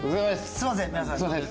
すみません皆さん。